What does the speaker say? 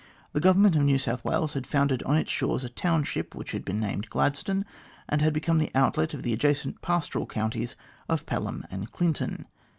The Government of New South Wales had founded on its shores a township which had been named Gladstone, and had become the outlet of the adjacent pastoral counties of Pelham and Clinton.